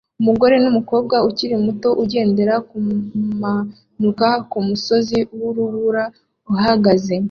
Umugore numukobwa ukiri muto ugendera kumanuka kumusozi wurubura uhagaze